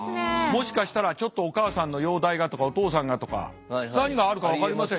もしかしたらちょっとお母さんの容体がとかお父さんがとか。何があるか分かりません